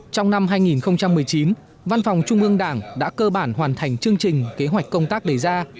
trong năm hai nghìn một mươi chín văn phòng trung ương đảng đã cơ bản hoàn thành chương trình kế hoạch công tác đề ra